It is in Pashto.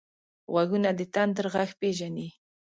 غوږونه د تندر غږ پېژني